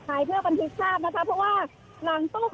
กระกายเพื่อกันทิศภาพนะคะเพราะว่าหลังตู้